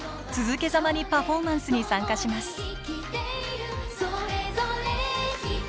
続けざまにパフォーマンスに参加します。